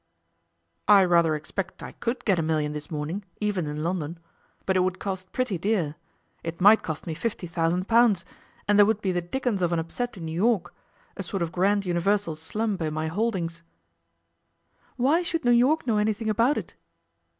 'I rather expect I could get a million this morning, even in London. But it would cost pretty dear. It might cost me fifty thousand pounds, and there would be the dickens of an upset in New York a sort of grand universal slump in my holdings.' 'Why should New York know anything about it?